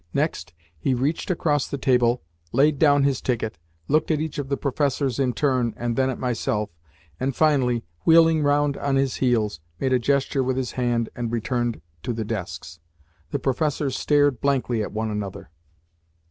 Next he reached across the table, laid down his ticket, looked at each of the professors in turn and then at myself, and finally, wheeling round on his heels, made a gesture with his hand and returned to the desks. The professors stared blankly at one another.